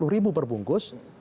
empat puluh ribu perbungkus